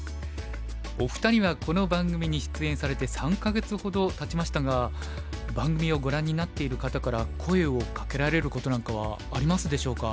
お二人はこの番組に出演されて３か月ほどたちましたが番組をご覧になっている方から声をかけられることなんかはありますでしょうか。